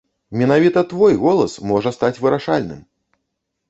Менавіта твой голас можа стаць вырашальным!